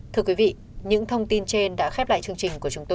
thưa quý vị những thông tin trên đã khép lại